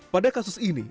pada kasus ini